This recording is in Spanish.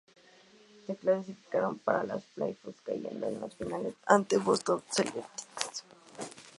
Se clasificaron para los playoffs, cayendo en las finales ante los Boston Celtics.